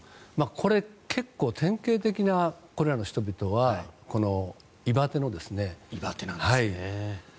これ、結構典型的なこれらの人々は胃バテなんですね。